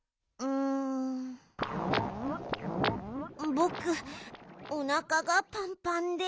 ぼくおなかがパンパンで。